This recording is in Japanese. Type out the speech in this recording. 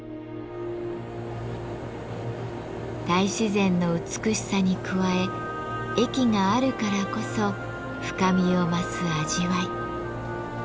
大自然の美しさに加え駅があるからこそ深みを増す味わい。